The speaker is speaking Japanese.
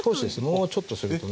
もうちょっとするとね。